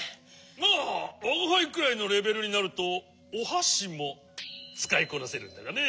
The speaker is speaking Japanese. まあわがはいくらいのレベルになるとおはしもつかいこなせるんだがね。